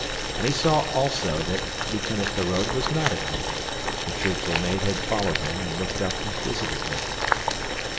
And he saw also that Lieutenant Feraud was not at home. The truthful maid had followed him and looked up inquisitively.